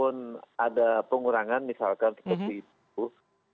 dan ada pengurangan misalkan seperti itu